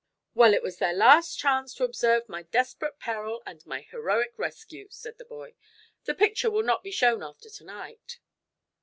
"Well it was their last chance to observe my desperate peril and my heroic rescue," said the boy. "The picture will not be shown after to night."